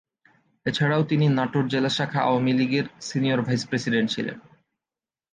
এছাড়াও তিনি নাটোর জেলা শাখা আওয়ামী লীগের সিনিয়র ভাইস প্রেসিডেন্ট ছিলেন।